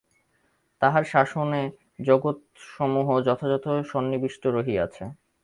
তাঁহার শাসনে জগৎসমূহ যথাযথ সন্নিবিষ্ট রহিয়াছে।